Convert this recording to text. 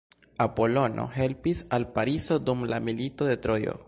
Apolono helpis al Pariso dum la Milito de Trojo.